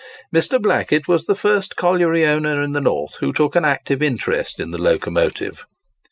Mr. Blackett was the first colliery owner in the North who took an active interest in the locomotive.